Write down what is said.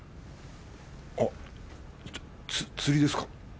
あっつ釣りですか？